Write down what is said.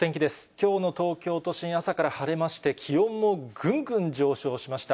きょうの東京都心、朝から晴れまして、気温もぐんぐん上昇しました。